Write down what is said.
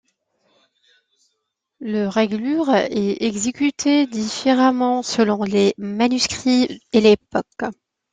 Le réglure est exécutée différemment selon les manuscrits et l’époque.